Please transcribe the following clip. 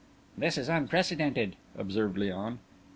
"This is unprecedented," observed Léon.